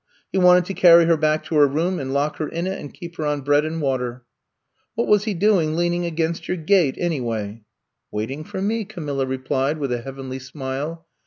He wanted to carry her back to her room and lock her in it, and keep her on bread and water. What was he doing leaning against your gate, anyway! Waiting for me, Camilla replied, with a heavenly smile.